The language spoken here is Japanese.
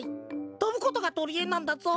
とぶことがとりえなんだぞ。